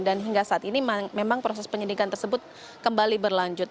dan hingga saat ini memang proses penyidikan tersebut kembali berlanjut